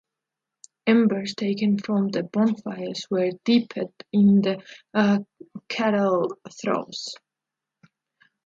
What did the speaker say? Embers taken from the bonfires were dipped in the cattle troughs.